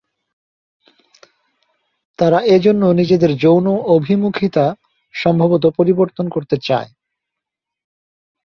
তারা এজন্য নিজেদের যৌন অভিমুখিতা সম্ভবত পরিবর্তন করতে চায়।